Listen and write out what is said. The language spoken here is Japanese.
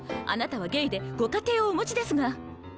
あなたはゲイでご家庭をお持ちですが。